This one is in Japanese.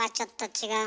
違う？